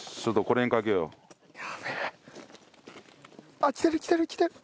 あっ来てる来てる来てる！